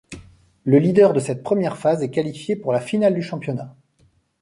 Le leader de cette première phase est qualifié pour la finale du championnat.